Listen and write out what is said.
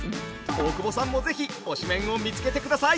大久保さんも是非推しメンを見つけてください。